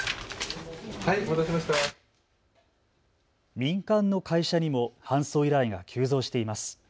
民間の会社にも搬送依頼が急増しています。